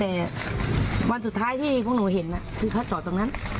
แต่วันสุดท้ายที่พวกหนูเห็นคือเขาจอดตรงนั้น